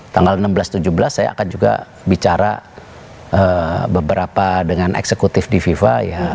tanggal enam belas tujuh belas saya akan juga bicara beberapa dengan eksekutif di fifa